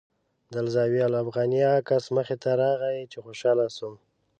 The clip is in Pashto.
د الزاویة الافغانیه عکس مخې ته راغی چې خوشاله شوم.